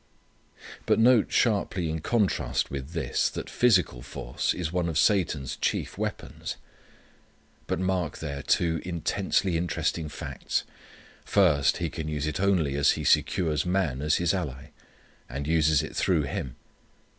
But note sharply in contrast with this that physical force is one of Satan's chief weapons. But mark there two intensely interesting facts: first, he can use it only as he secures man as his ally, and uses it through him.